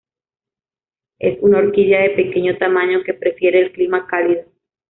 Es una orquídea de pequeño tamaño, que prefiere el clima cálido.